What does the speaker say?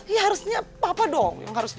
ya harusnya papa dong yang harus di